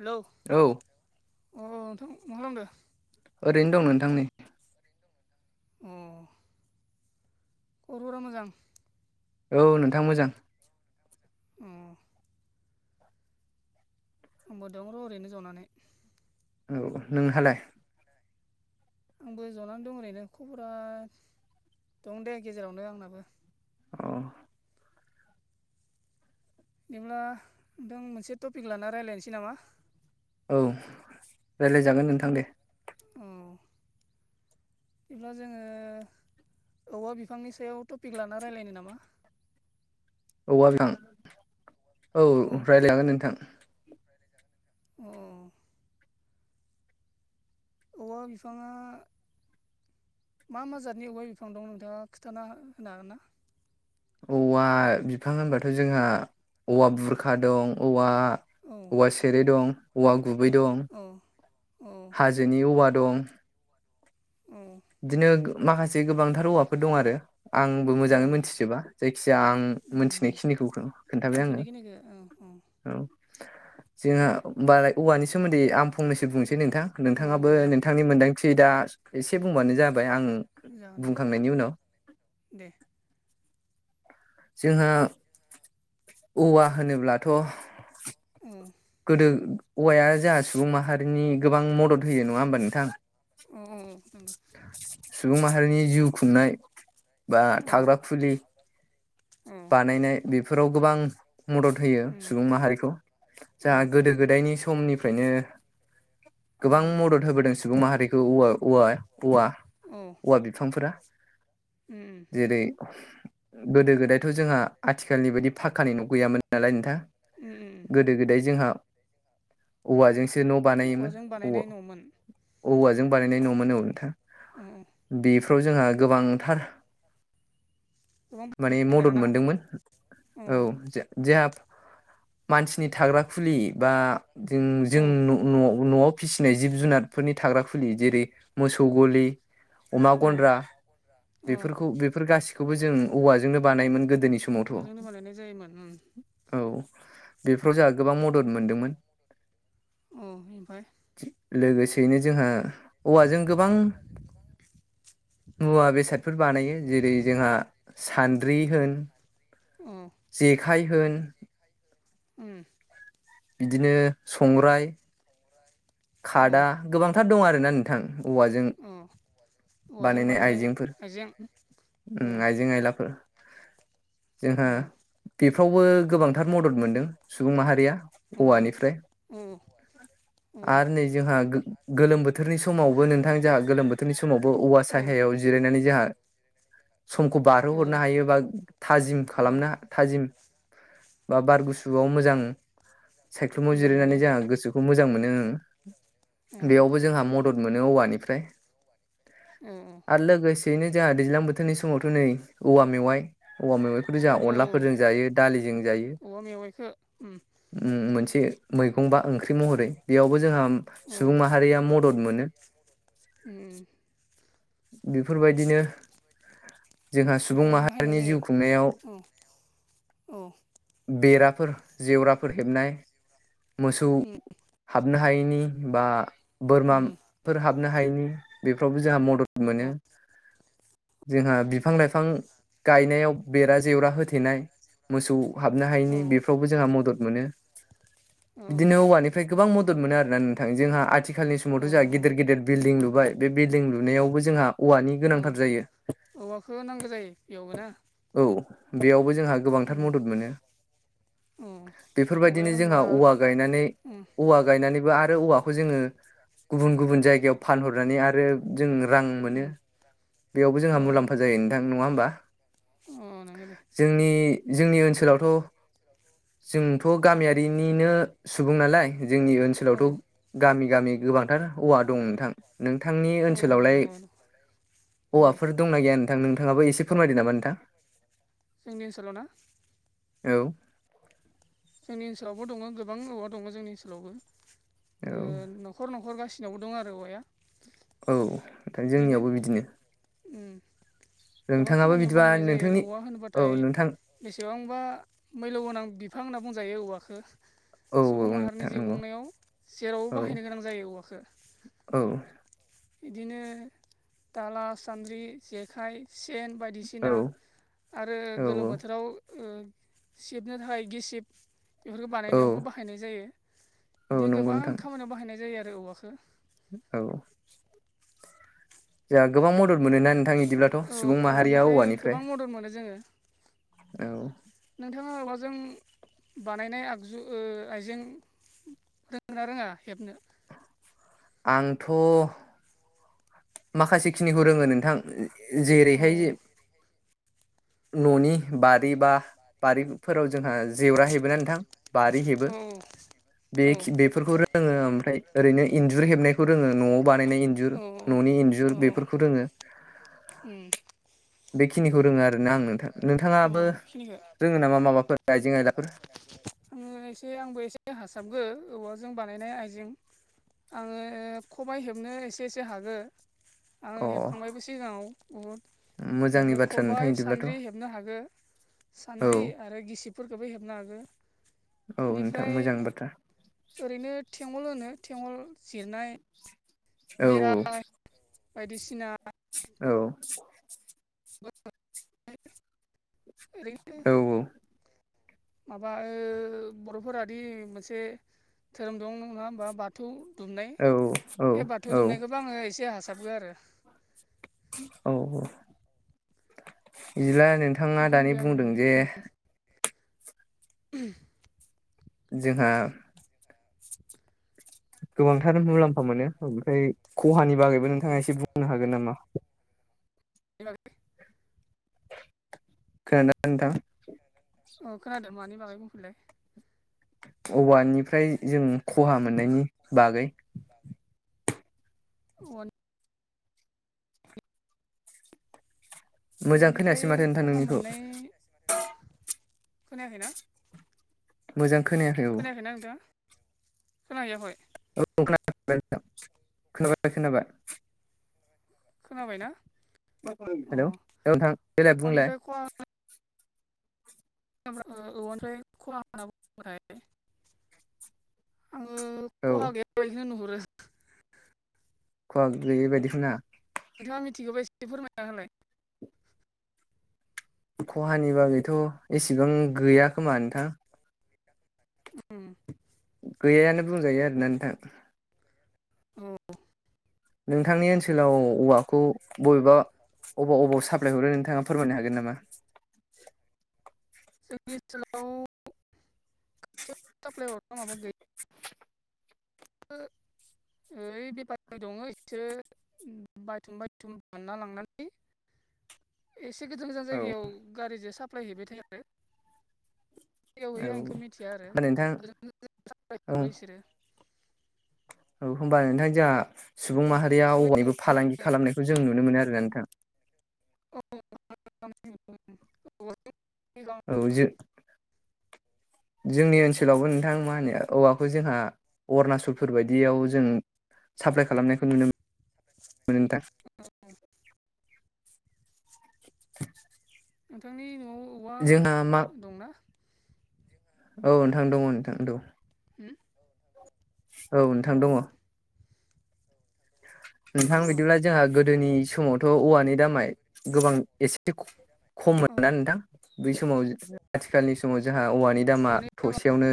Hello औ अ नोंथां मा खालामदों ओरैनो दं नोंथां नै ऐ ख'ब'रफोरा मोजां औ नोंथां मोजां अम आंबो दं र' ओरैनो जनानै औ नोंहालाय आंबो ज'नानै दं ओरैनो खबरा दं दे गेजेरावनो आंनाबो ओ बिदिब्ला जों मोनसे टपिक लाना रायलायनोसै नामा? औ रायलायजागोन नोंथां दे औ बिदिब्ला जोङो औवा बिफांनि सायाव थ'पिक लाना रायलायनो नामा औवा बिफां औ औ रायलायनो हागोन नोंथां अ औवा बिफांआ मा माजादनि औवा बिफां दं नोंथांआ खिथाना होनो हागोन ना औवा बिफां होनबाथ' जोंहा औवा बुरखा दं औवा औ औवा सेरे दं औवा गुबै दं ओ ओ जेनि औवा दं उम इदिनो माखासे गोबांथार औवाफोर दं आरो आंबो औ मोजाङै मोनथिजोबा जायखिजाया आं उम मोनथिनाय खिनिखौ खोन्थाबाय बिदिनो आङो खिनिखौ औ औ औ जोंहा बाराय औवानि सोमोन्दै आं फंनैसो बुंनोसै नोंथां औ नोंथांआबो औ नोंथांनि मोनदांथि दा एसे एसे बुंबानो जाबाय आं जागोन दे औ बुंखांनायनि उनाव दे जोंहा औवा होनोब्लाथ' उम गोदो औवाया जोंहा सुबुं माहारिनि गोबां मदद होयो नङा होमबा नोंथां औ औ नंगौ सुबुं माहारिनि जिउ खुंनाय बा औ थाग्रा खुलि उम बानायनाय बेफोराव गोबां मदद होयो सुबुं माहारिखौ औ जाहा गोदो गोदायनि समनिफ्रायनो गोबां मदद होबोदों सुबुं माहारिखौ औवा औवा औवा औ औवा बिफांफोरा जेरै गोदो गोदाय थ' जोंहा आथिखालनि बादि फाखानि न' गैयामोन नालाय नोंथां उम उम गोदो गोदाय जोंहा औवाजोंसो सो न' बानायोमोन औवाजों औवा बानायनाय न'मोन औवाजों बानायनाय न'मोन औ नोंथां औ बेफ्राव जोंहा गोबांथार गोबां माने बानायदों मदद आरोना मोनदोंमोन औ जो जोहा मानसिनि थाग्रा खुलि बा जों जों औ न' न' न'आव फिसिनाय जिब जुनारफोरनि थाग्रा खुलि जेरै मोसौ ग'लि अमा औ ग'न्द्रा औ बेफोरखौ बेफोर गासिखौबो जों औवाजोंनो बानाय गोदोनि समावथ' औवाजोंनो बानायनाय जायोमोन उम औ बेफोराव जोंहा गोबां मदद मोनदोंमोन। औ ओमफ्राय लोगोसेयैनो जोंहा औवाजों गोबां। मुवा बेसादफोर बानायो जेरै जोंहा सान्द्रि होन औ जेखाय होन उम बिदिनो संग्राय औ खादा गोबांथार दं आरोना नोंथां औवाजों औ औवाजों बानायनाय आइजेंफोर आइजें औ उम आइजें आयलाफोर। औ जोंहा बेफ्रावबो गोबांथार मदद मोनदों सुबुं माहारिया औवानिफ्राय उम। आरो नै जोंहा गो गोलोम बोथोरनि समावबो नोंथां जोंहा गोलोम बोथोरनि समावबो औवा साहायाव जिरायनानै जोंहा समखौ औ बारहोहरनो हायो बा थाजिम औ खालामना थाजिम बा बार गुसुआव मोजां सायख्लुमाव मोजां जिरायनानै मोनो जोंहा गोसोखौ मोजां मोनो। उम बेयावबो जोंहा मदद मोनो औवानिफ्राय। औ आरो लोगोसेयैनो जोंहा दैज्लां बोथोरनि समावथ' नै औवा मेवाइ औवा मेवाइखौथ' जोंहा औ अनलाफोरजों जायो दालिजों जायो। औवा मेवाइखौ उम मोनसे मैगं बा ओंख्रि महरै बेयावबो जोंहा औ सुबुं माहारिया मदद मोनो। उम बेफोरबायदिनो जोंहा सुबुं बेफोरबायदि बाहायनाय माहारिनि जायो जिउ खुंनायाव औ औ बेराफोर जेवराफोर हेबनाय मोसौ उम हाबनो हायैनि बा उम बोरमाफोर हाबनो हायैनि बेफोरावबो जोंहा मदद मोनो। जोंहा बिफां-लाइफां गायनायाव बेरा जेवरा होथेनाय मोसौ हाबनो औ हायैनि बेफ्रावबो जोंहा मदद मोनो औ बिदिनो औवानि फ्राय गोबां मदद मोनो आरोना नोंथां जोंहा आथिखालनि औ समावथ' जोंहा गिदिर गिदिर बिल्डिं लुबाय बे बिल्डिं लुनायावबो जोंहा औवानि गोनांथार औ जायो औवाखौ नांगौ जायो बेयावबो ना औ बेयावबो जोंहा उम गोबांथार मदद मोनो। औ औवाया बेफोरबायदिनो होमबा जोंहा औवा गायनानै उम औवा गायनानैबो आरो औवाखौ जोङो गुबुन गुबुन जायगायाव फानहरनानै आरो जों रां उम मोनो। बेयावबो जोंहा मुलाम्फा जायो नोंथां नङा होमबा अ नंगौ दे। जोंनि जोंनि ओनसोलावथ' जोंथ' गामियारिनिनो सुबुं नालाय जोंनि औ ओनसोलावथ' गामि गामि गोबांथार औवा दं नोंथां नोंथांनि औ ओनसोलावलाय दङ दं उम औवाफोर दंना गैया नोंथां नोंथाङाबो एसे फोरमायदो नामा नोंथां जोंनि ओनसोलाव ना औ जोंनि ओनसोलावबो दङ गोबां औवा दङ जोंनि ओनसोलावबो औ न'खर न'खर गासिबो जोंनावबो दं आरो औवाया औ जोंनियावबो बिदिनो ओम [inaudible] गोबां खामानियाव बिदिबा बाहायनाय जायो नोंथांनि औवा औ होनोब्लाथाय नोंथां बेसेबांबा मैल्य गोनां बिफां होनना बुंजायो औवखौव। औ सुबुं औ माहारिनि नोंथां जिउ नंगौ खुंनायाव जेरावबो औ बाहायनो गोनां जायो औवाजों। औ बिदिनो दाला सान्द्रि जेखाइ सेन बायदिसिना आरो औ गोलोम बोथोराव सिबनो थाखाय गिसिब बेफोरखौ औ बानायनायावबो बाहाय बाहायनाय जायो औ बिदिनो नंगौ गोबां नोंथां खामानियाव बाहायनाय जायो। आरो औवाखौ औ जों गोबां मद मोनो ना नोंथां बिदिब्लाथ' औ सुबुं माहारिया औवानिफ्राय गोबां मदद मोनो औ नोंथांङा आऔवाजों बानायनाय आगजु आइजें रों ना रोंङा हेबनो आंथ'-' माखासेखिनिखौ रोंङो नोंथां जेरैहाय जे औ न'नि बारि बा बारि फोराव जोंहा जेवरा हेबो ना नोंथां बारि गासिबो बे बेफोरखौ रोङो हेबो बे बेफोरखौ रोंङो ओमफ्राय ओरैनो इन्जुर हेबनायखौ रोंङो न'आव बानायनाय इन्जुर। न'नि इन्जुर बेफोरखौ रोंङो। रोङो बेखिनिखौ रोङो आरोना आं नोंथां नोंथांङाबो नोंथाङाबो रोंङो नामा माबाफोर आइजें आइलाफोर? आंङो एसे आंबो एसे हासाबगो औवाजों बानायनाय आइजें आंङो खबाइ हेबनो एसे एसे हागो आंङो अ हेबखांबायबो सिगांङाव बहुद मोजांनि बेनिफ्राय बाथ्रा नोंथां खबाय बिदिब्लाथ' औ सान्द्रि हेबनो हागो सान्द्रि आरो गिसिबफोरखौबो हेबनो हागौ। औ नोंथां मोजां बाथ्रा। ओरैनो थेंगल होनो थेंगल जिरनाय औ [unintelligible] बायदिसिना औ औ [inaudible] माबा ओ बर'फोरादि मोनसे धोरोम दं नंङा होमबा बाथौ दुमनाय औ औ बे औ बाथौ दुमनायखौबो आंङो एसे हासाबगो आरो। औ औ बिदिला नोंथांङा दानि बेखिनिखौ आङो बुंदों जे [inaudible] जोंहा गोबांथार मुलाम्फा मोनो ओमफ्राय खहानि बागैबो नोंथांङा एसे बुंनो हागोन नामा? [unintelligible] खोनांदोंना नोंथां? अ खोनादों मानि बागै बुंफिनलाय औवानिफ्राय जों खहा मोननायनि बागै औवा मोजां औवानिफ्राय खोनायासै माथो नोंथां खहा नोंनिखौ मोननाय खोनायाखैना मोजां खोनायाखै औ खोनायाखै ना नोंथांआ खोनाहैयाखय? औ खोनाबाय खोनाबाय खोनाबाय। खोनाबायना अ हेल' औ नोंथां देलाय बुंलाय? औवानिफ्राय खहा औवानिफ्राय खला होनना बुंबाथाय आंङो औ खहा गैया बायदि नुहुरो खहा गोयै बायदिखो ना। नोंथांङा मिथिगौबा एसे फोरमायना हालाय? खहानि बागै' एसेबां गैया खोमा नोंथां। उम। गैयानो बुंजायो आरोना नोंथां। औ नोंथांनि ओनसोलाव औवाखौ बबेबा अबाव अबाव सा फ्लाय हरो नोंथां फोरमायनो हागोन नामा? जोंनि ओनसोलाव खाथियाव साफ्लाय हरनो माबा गैया। [inaudible] ओइ बेफारि दङ एसोर बायथुम बायथुम बोनना लांनानै एसे गोजान गोजान औ जायगायाव गारिजों साफ्लाय हैबाय थायो आरो बबेयाव‌ हैयो आं एखौ मिथिया आरो औ नोंथां गोजान‌ गोजान साब्लाय हरो औ बिसोरो। औ ओमबा नोंथां जोंहा सुबुं माहारिया औवानिबो फालांगि खालामनायखौ जों नुनो मोनो आरोना नोंथां। [unintelligible] औ जो जोंनि ओनसोलावबो नोंथां मा होनो औवाखौ जोंहा अरुणाचलफोर बायदियाव जों साफ्लाय खालामनायखौ नुनो मोनो नोंथां। [inaudible] नोंथांनि न'आव औवा जोंहा मा दंना? औ नोंथां दङ नोंथां दं। होम? औ नोंथां दङ। नोंथां दङ औ बिदिब्ला जोंहा गोदोनि समावथ' औवानि दामा गोबां एसे खम मोनना नोंथां बै समाव आथिखालनि समाव जोंहा औवानि दामा थसेयावनो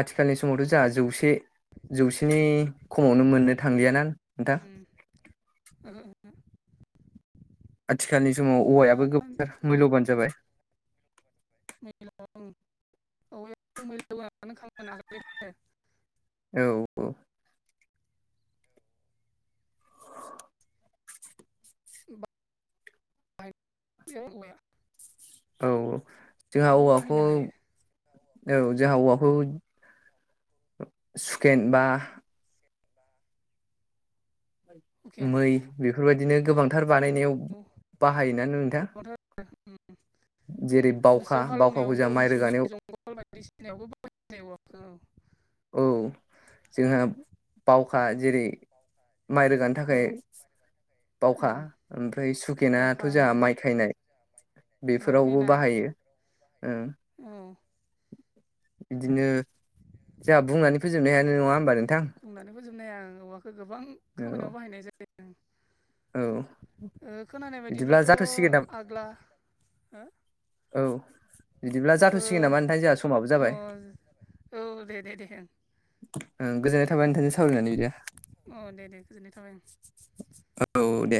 आथिखालनि समावथ' जोंहा जौसे जौसेनि खमावनो मोननो थांलिया ना नोंथां? ओम ओहो ओहो आथिखालनि समाव दा औवायाबो गोबां मुल्य'बान जाबाय। [unintelligible] [unintelligible] औ। [unintelligible] औ औ जोंहा जेरावबो औवाखौ बाहायनो हायो औ जोंहा हौवाखौ सुखेन बा हुकेन मै बेफोरबायदिनो गोबांथार बानायनायाव औ बाहायो। ना नोंथां? गोबांथार जेरै - मोसौ हालौवनायावबो मोसौनि जंगाल बायदिसिनायावबो बाहायो औवाखौ। औ जोंहा बावखा जेरै माइ रोगानो था औ खाय उम बावखा ओमफ्राय सुखेनाथ' बावखा जोंहा होनो माइ खायनाय बेफोरावबो बाहायो। ओं ओ बिदिनो जोंहा बुंनानै फोजोबनो हायानो नङा होमबा नोंथां बुंनानै फोजोबनाय हाया आं औवाखौ गोबां औ खामानियाव बाहायनाय जायो। ओं औ ओ खोनानाय बिदिब्ला बायदिब्लाथ' जाथ'सिगोन आग्ला हो? औ बिदिब्ला ओ जाथ'सिगोन नामा नोंथां? जोंहा समाबो अ जाबाय। औ दे दे दे ओं। गोजोननाय थाबाय नोंथांजों सावरायनानै दे। ओं दे अ दे दे गोजोननाय थाबाय ओं औ दे।